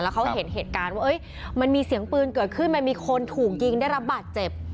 เขาเห็นเหตุการณ์ว่ามันมีเสียงปืนเกิดขึ้นมันมีคนถูกยิงได้รับบาดเจ็บ